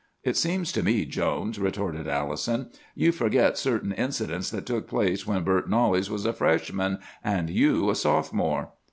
"'It seems to me, Jones,' retorted Allison, 'you forget certain incidents that took place when Bert Knollys was a Freshman, and you a Sophomore!"